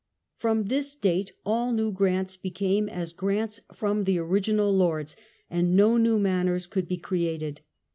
From this date all new grants |:]|ecame as grants from the original lords: and no new manors could be created.